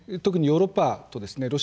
特にヨーロッパとですね